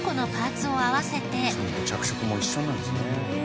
ちゃんと着色も一緒なんですね。